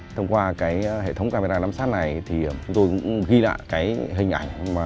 thông qua hệ thống camera đám sát này chúng tôi ghi lại hình ảnh